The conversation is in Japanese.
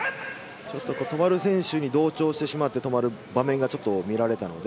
ちょっと止まる選手に同調して止まる場面が見られたので。